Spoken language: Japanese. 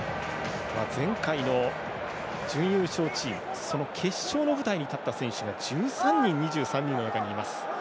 前回の準優勝チームその決勝の舞台に立った選手が１３人２３人の中にいます。